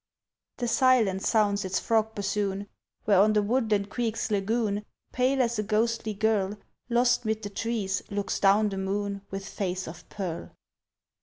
The silence sounds its frog bassoon, Where on the woodland creek's lagoon, Pale as a ghostly girl Lost 'mid the trees, looks down the moon With face of pearl.